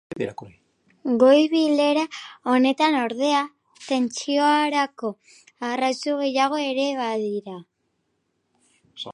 Goi bilera honetan ordea, tentsiorako arrazoi gehiago ere badira.